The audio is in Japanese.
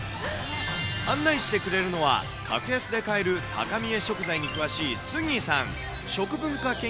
案内してくれるのは、格安で買える高見え食材に詳しいスギさん。